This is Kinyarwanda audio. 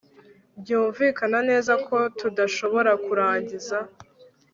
Byumvikana neza ko tudashobora kurangiza